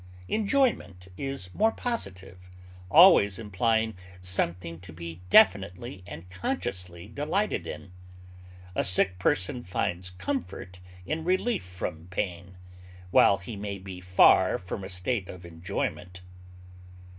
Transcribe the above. Enjoyment is more positive, always implying something to be definitely and consciously delighted in; a sick person finds comfort in relief from pain, while he may be far from a state of enjoyment.